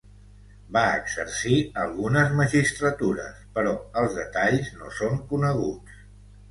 Va exercir algunes magistratures però els detalls no són coneguts.